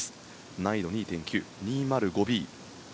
難易度２．９、２０５Ｂ。